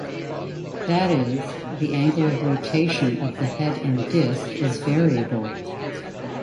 That is, the angle of rotation of the head and disk is variable.